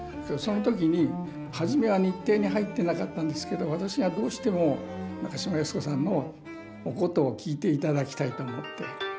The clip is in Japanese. その時に初めは日程に入ってなかったんですけど私がどうしても中島靖子さんのお箏を聴いていただきたいと思って。